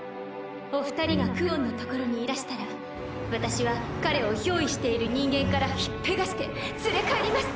お二人がクオンのところにいらしたら私は彼を憑依している人間から引っぺがして連れ帰ります！